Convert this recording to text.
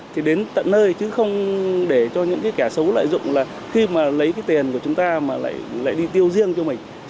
thì đến tận nơi chứ không để cho những cái kẻ xấu lợi dụng là khi mà lấy cái tiền của chúng ta mà lại đi tiêu riêng cho mình